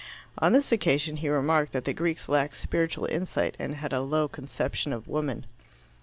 On this occasion he remarked that the Greeks lacked spiritual insight, and had a low conception of woman.